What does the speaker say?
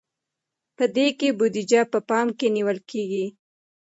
په دې کې بودیجه په پام کې نیول کیږي.